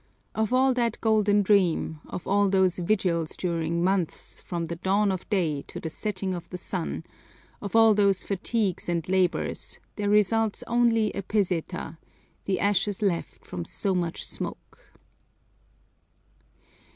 Of all that golden dream, of all those vigils during months from the dawn of day to the setting of the sun, of all those fatigues and labors, there results only a peseta, the ashes left from so much smoke.